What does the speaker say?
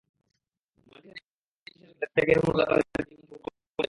মাল্টিভার্সের এই বিশাল ক্যালকুলাসে, তাদের ত্যাগের মূল্য তাদের জীবন থেকে বহুগুণে বেশি।